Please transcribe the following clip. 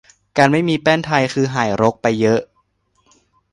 การไม่มีแป้นไทยคือหายรกไปเยอะ